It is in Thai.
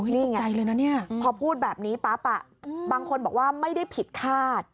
นี่ไงพอพูดแบบนี้ปั๊บบางคนบอกว่าไม่ได้ผิดคาด